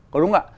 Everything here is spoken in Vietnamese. có đúng ạ